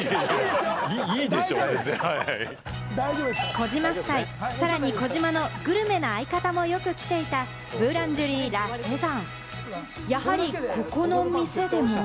児嶋夫妻、さらに児嶋のグルメの相方もよく来ていたブーランジェリーラ・セゾン。